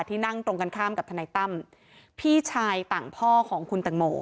นั่งตรงกันข้ามกับทนายตั้มพี่ชายต่างพ่อของคุณตังโม